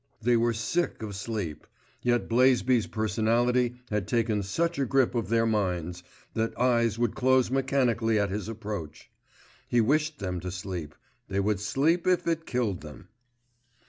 They were sick of sleep; yet Blaisby's personality had taken such a grip of their minds, that eyes would close mechanically at his approach. He wished them to sleep; they would sleep if it killed them.